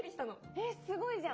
えっすごいじゃん！